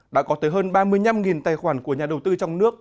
đã có tới hơn ba mươi năm tài khoản của nhà đầu tư trong nước